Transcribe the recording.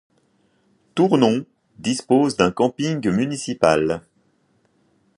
Tournon dispose d'un camping municipal.